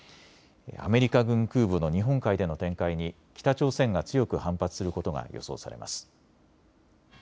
アメリカ軍空母の日本海での展開に北朝鮮が強く反発することが予想されます。